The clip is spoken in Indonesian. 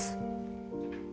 kamu harus lebih bertanggung jawab